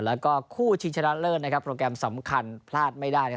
แล้วก็คู่ชิงชนะเลิศนะครับโปรแกรมสำคัญพลาดไม่ได้นะครับ